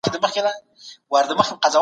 په تیرو کلونو کي جګړو باورونه زیانمن کړل.